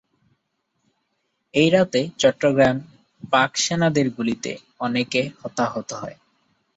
এ রাতে চট্টগ্রামে পাক সেনাদের গুলিতে অনেকে হতাহত হয়।